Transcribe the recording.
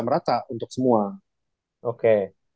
merata untuk semua oke